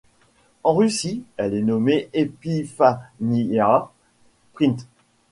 En Russie, elle est nommée Epifaniya Prints.